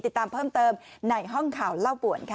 ติดตามเพิ่มเติมในห้องข่าวเล่าป่วนค่ะ